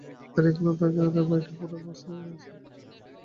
তারা এখানে থাকে না, তাই বাড়িটা পোড়ো অবস্থাতেই আছে।